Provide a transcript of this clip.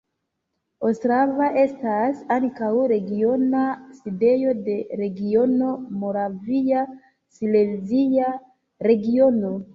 Ostrava estas ankaŭ regiona sidejo de regiono Moravia-Silezia Regiono.